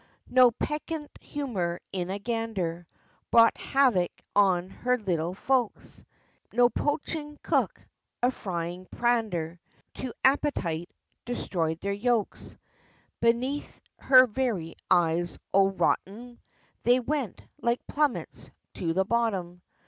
No peccant humor in a gander Brought havoc on her little folks, No poaching cook a frying pander To appetite, destroyed their yolks, Beneath her very eyes, Od rot 'em! They went, like plummets, to the bottom.